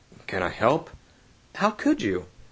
"Can I help?" "How could you?"